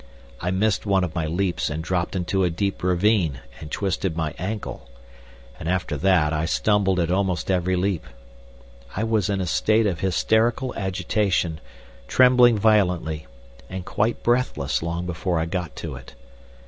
I missed one of my leaps and dropped into a deep ravine and twisted my ankle, and after that I stumbled at almost every leap. I was in a state of hysterical agitation, trembling violently, and quite breathless long before I got to it.